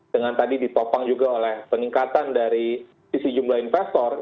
dengan tadi ditopang juga oleh peningkatan dari sisi jumlah investor